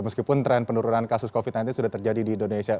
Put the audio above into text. meskipun tren penurunan kasus covid sembilan belas sudah terjadi di indonesia